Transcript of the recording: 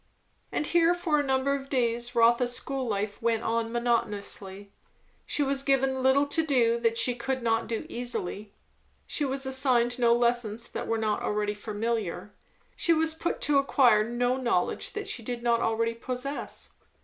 And here, for a number of days, Rotha's school life went on monotonously. She was given little to do that she could not do easily; she was assigned no lessons that were not already familiar; she was put to acquire no knowledge that she did not already possess.